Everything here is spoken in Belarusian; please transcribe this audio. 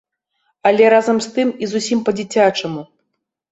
Але разам з тым і зусім па-дзіцячаму.